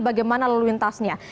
bagaimana lalu lintasnya